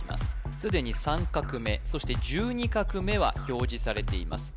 すでに３画目そして１２画目は表示されています